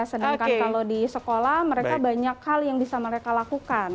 sedangkan kalau di sekolah mereka banyak hal yang bisa mereka lakukan